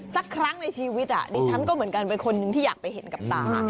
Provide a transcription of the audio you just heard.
สักครั้งในชีวิตดิฉันก็เหมือนกันเป็นคนนึงที่อยากไปเห็นกับตา